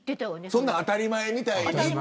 そんなの当たり前みたいに。